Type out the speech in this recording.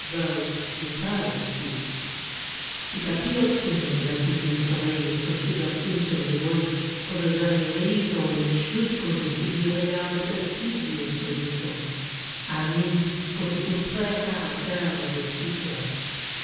Thus Dupin speaks: "It appears to me that this mystery is considered insoluble, for the very reason which should cause it to be regarded as easy of solu tion — I mean, for the outre character of its features.